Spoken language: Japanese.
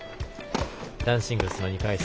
男子シングルスの２回戦。